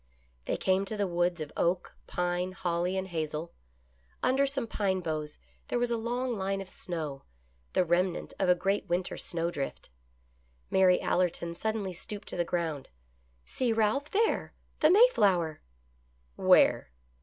They came to the woods of oak, pine, holly and hazel. Un der some pine boughs there was a long line of snow, the remnant of a THE FIRST MAYFLOWER. great winter snowdrift. Mary Allerton suddenly stooped to the ground. " See, Ralph, there ! the Mayflower !"" Where